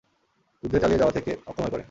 যুদ্ধ চালিয়ে যাওয়া থেকে অক্ষম হয়ে পড়েন।